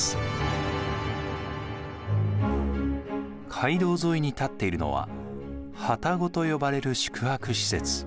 街道沿いに建っているのは旅籠と呼ばれる宿泊施設。